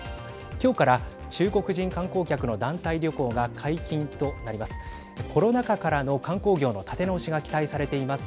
今日から中国人観光客の団体旅行が解禁となります。